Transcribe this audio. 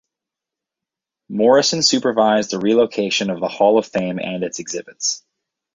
Morrison supervised the relocation of the Hall of Fame and its exhibits.